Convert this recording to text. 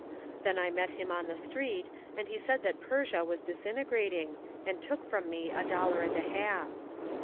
Then I met him on the street, and he said that Persia was disintegrating, and took from me a dollar and a half.